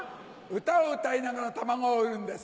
歌を歌いながら卵を売るんです。